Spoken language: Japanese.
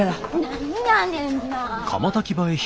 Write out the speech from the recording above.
何やねんな。